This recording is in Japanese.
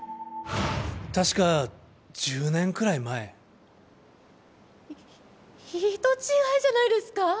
確か１０年くらい前人違いじゃないですか？